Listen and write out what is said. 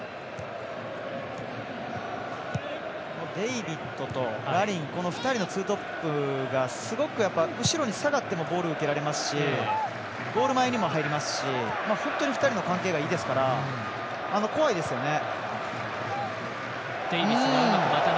デイビッドとラリンこの２人のツートップがすごく後ろに下がってもボールを受けられますしゴール前にも入られますし本当に２人の関係がいいですから怖いですよね。